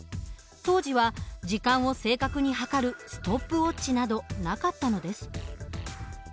当時は時間を正確に計るストップウォッチなどなかったのです。